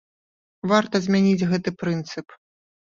Варта змяніць гэты прынцып.